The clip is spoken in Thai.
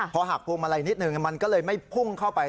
พอหักพวงมาลัยนิดหนึ่งมันก็เลยไม่พุ่งเข้าไป